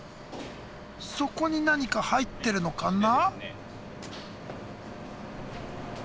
そこに何か入ってるのかな？